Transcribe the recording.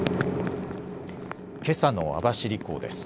けさの網走港です。